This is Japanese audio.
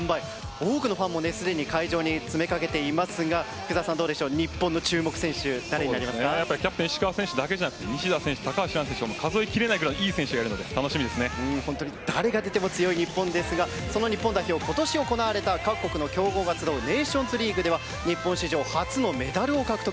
多くのファンもすでに会場に詰めかけていますがどうでしょう日本の注目選手キャプテン石川選手だけじゃなく数え切れないくらい誰が出ても強い日本ですがその日本代表今年行われた各国の強豪が集うネーションズリーグでは日本史上初のメダルを獲得。